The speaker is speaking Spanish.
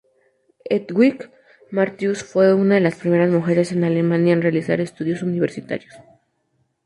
Hedwig Martius fue una de las primeras mujeres en Alemania en realizar estudios universitarios.